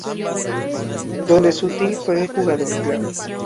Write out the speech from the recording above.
Donde Sutil fue jugador clave.